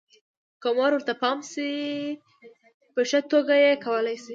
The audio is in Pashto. که مو ورته پام شي، په ښه توګه یې کولای شئ.